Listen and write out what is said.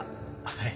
はい。